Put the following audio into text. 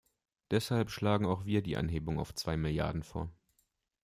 Deshalb schlagen auch wir die Anhebung auf zwei Milliarden vor.